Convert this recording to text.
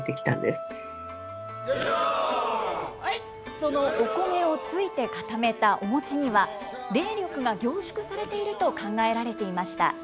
そのお米をついて固めたお餅には、霊力が凝縮されていると考えられていました。